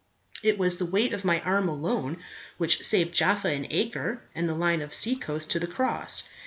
It was the weight of my arm alone which saved Jaffa and Acre, and the line of seacoast, to the Cross.